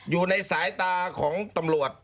อยู่ในสายตาของตำรวจ